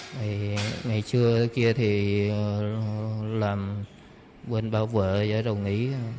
không ngày trưa kia thì làm quên bảo vệ rồi rồi nghỉ